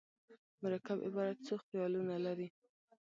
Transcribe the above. مرکب عبارت څو خیالونه لري.